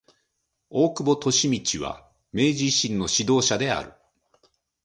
大久保利通は明治維新の指導者である。